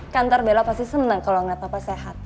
kan ntar bella pasti seneng kalau ngeliat papa sehat